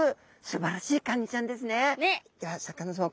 ではシャーク香音さま